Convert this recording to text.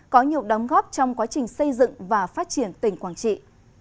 có nhiều đóng góp trong quá trình xây dựng và phát triển tỉnh quảng trị